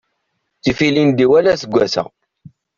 Ttif ilindi wala aseggas-a.